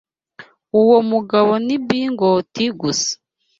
Uwo mugabo ni bigot gusa.